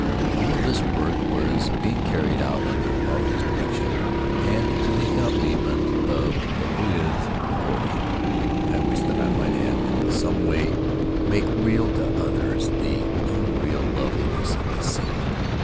All of this work was being carried out under Puarei's direction and to the accompaniment of Kaupia's accordion. I wish that I might in some way make real to others the unreal loveliness of the scene.